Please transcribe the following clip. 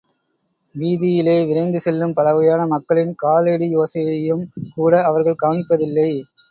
வீதியிலே விரைந்து செல்லும் பலவகையான மக்களின் காலடியோசையையும் கூட அவர்கள் கவனிப்பதில்லை.